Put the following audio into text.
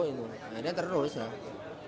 akhirnya terus ya